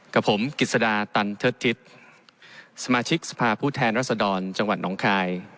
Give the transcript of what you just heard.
กับผมกิจสดาตันเทิดทิศสมาชิกสภาพผู้แทนรัศดรจังหวัดน้องคาย